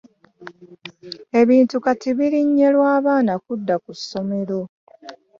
Ebintu kati birinnye lwa baana kudda ku ssomero.